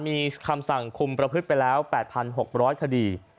มีคำสั่งคุมประพฤติไปแล้ว๘๖๐๐คดี